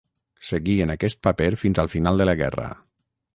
Seguí en aquest paper fins al final de la guerra.